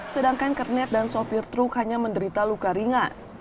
sedangkan kernet dan sopir truk hanya menderita luka ringan